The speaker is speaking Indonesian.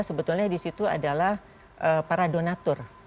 sebetulnya di situ adalah para donatur